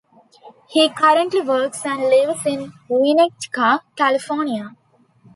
He currently works and lives in Winnetka, California.